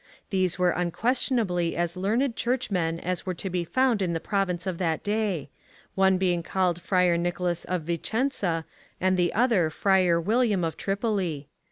These were unquestionably as learned Churchmen as were to be found in the Province at that day — one being called Friar Nicolas of Vicenza, and the other Friar William of Tripoli.